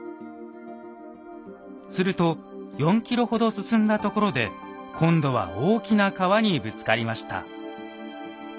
すると４ｋｍほど進んだところで今度は大きな川にぶつかりました。